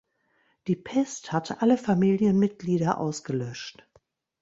Die Pest hatte alle Familienmitglieder ausgelöscht.